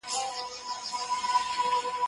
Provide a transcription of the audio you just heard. زه ميوې نه خورم،